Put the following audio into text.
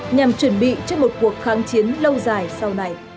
nhằm chuẩn bị cho một cuộc kháng chiến lâu dài sau này